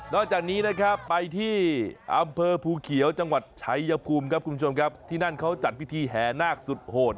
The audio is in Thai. นอกจากนี้ไปที่อำเภอภูเขียวจังหวัดชายะปุ่มที่นั้นเขาจัดพิธีแหน่กสุดโหด